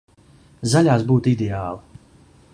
Zaļās būtu ideāli.